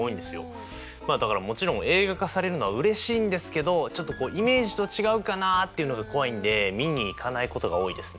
だからもちろん映画化されるのはうれしいんですけどちょっとイメージと違うかなっていうのが怖いんでみに行かないことが多いですね。